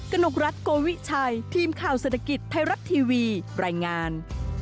กนกรัฐโกวิชัยทีมข่าวเศรษฐกิจไทยรัฐทีวีรายงาน